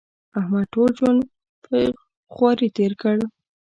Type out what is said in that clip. احمد ټول ژوند په خواري تېر کړ.